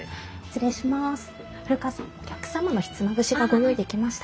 失礼します。